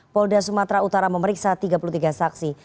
polda sumatera utara memeriksa tiga puluh tiga saksi